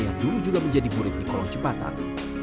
yang dulu juga menjadi murid di kolong jembatan